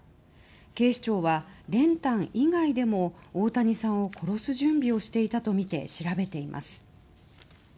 警視庁は練炭以外でも大谷さんを殺す準備をしていたとみて調べています。